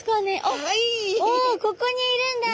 あっおここにいるんだ。